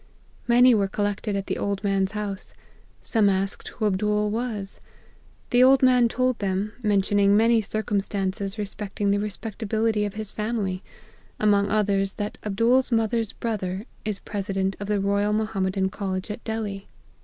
Many were collected at the old man's house. Some asked, \vho Abdool was. The old man told them, mentioning many circumstances respecting the respectability of his family : among others, that Abdool's mo ther's brother, is president of the Royal Moham medan College at Delhi.